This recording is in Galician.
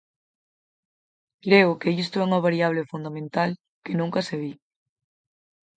Creo que isto é unha variable fundamental que nunca se di.